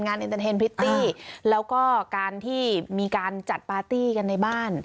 อินเตอร์เทนพริตตี้แล้วก็การที่มีการจัดปาร์ตี้กันในบ้าน